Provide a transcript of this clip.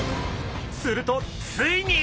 するとついに！